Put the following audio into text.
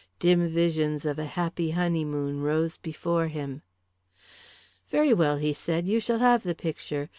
Dim visions of a happy honeymoon rose before him. "Very well," he said. "You shall have the picture.